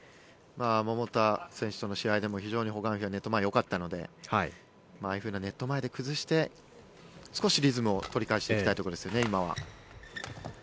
桃田選手との試合でも非常にホ・グァンヒがネット前よかったのでああいうふうにネット前で崩して今は少しリズムを取り返していきたいところですね。